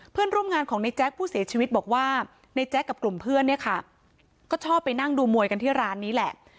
เพื่อนร่วมงานของในแจ๊คผู้เสียชีวิตบอกว่าในแจ๊คกับกลุ่มเพื่อนเนี่ยค่ะก็ชอบไปนั่งดูมวยกันที่ร้านนี้แหละ